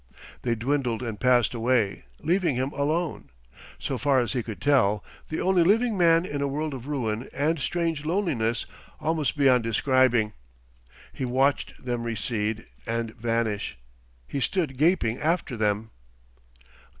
They dwindled and passed away, leaving him alone, so far as he could tell, the only living man in a world of ruin and strange loneliness almost beyond describing. He watched them recede and vanish. He stood gaping after them.